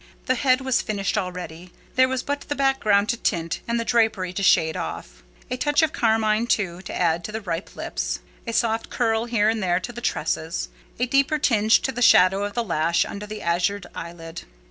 The head was finished already: there was but the background to tint and the drapery to shade off; a touch of carmine, too, to add to the ripe lips—a soft curl here and there to the tresses—a deeper tinge to the shadow of the lash under the azured eyelid.